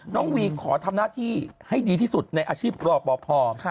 น้องวีขอทำหน้าที่ให้ดีที่สุดในอาชีพรอบพอพอ